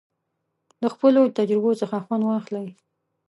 د خپلو تجربو څخه خوند واخلئ.